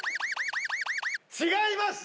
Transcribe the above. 違います！